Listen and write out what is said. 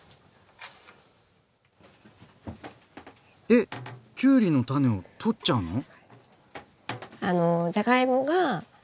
えっきゅうりの種を取っちゃうの？